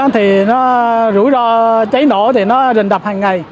thì nó rủi ro cháy nổ thì nó rình đập hằng ngày